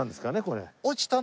これ。